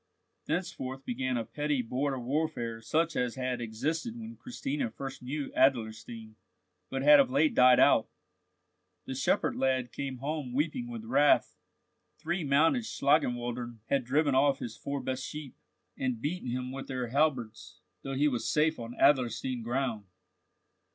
Thenceforth began a petty border warfare such as had existed when Christina first knew Adlerstein, but had of late died out. The shepherd lad came home weeping with wrath. Three mounted Schlangenwaldern had driven off his four best sheep, and beaten himself with their halberds, though he was safe on Adlerstein ground.